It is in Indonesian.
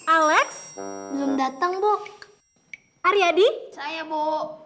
alex belum datang bok ari adi saya bo